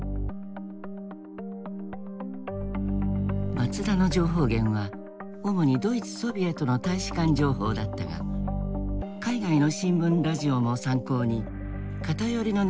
松田の情報源は主にドイツソビエトの大使館情報だったが海外の新聞ラジオも参考に偏りのないよう留意していた。